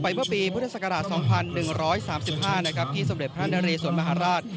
ปลายเพราะปีพฤศกราชร์๒๑๓๕ที่สมเด็จพระนเรสวรรษมหราธ